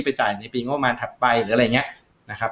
ไปจ่ายในปีงบประมาณถัดไปหรืออะไรอย่างนี้